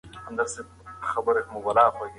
افغانانو د ښار ساتنه په ډاډ سره وکړه.